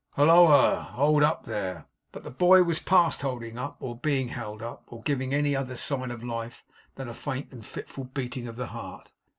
Halloa. Hold up there!' But the boy was past holding up, or being held up, or giving any other sign of life than a faint and fitful beating of the heart.